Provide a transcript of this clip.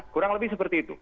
kurang lebih seperti itu